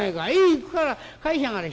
「行くから返しやがれ。